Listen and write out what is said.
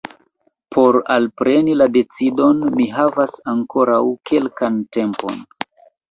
Por alpreni la decidon mi havas ankoraŭ kelkan tempon.